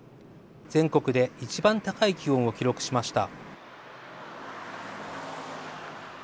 全国で一番高い気温を記録しました。